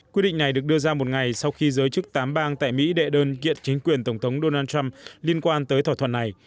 quyết định này được đưa ra một ngày sau khi giới chức tám bang tại mỹ đệ đơn kiện chính quyền tổng thống donald trump liên quan tới thỏa thuận này